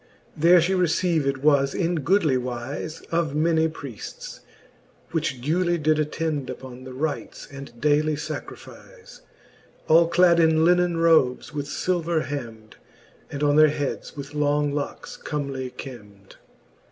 * IV. There fhe received was in goodly wlze Of many priefts, which duely did attend Uppon the rites and daily facrifize, All clad in linen robes with filver hemd ; And on their heads with long locks comely kemd.